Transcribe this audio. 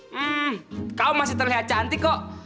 hmm kau masih terlihat cantik kok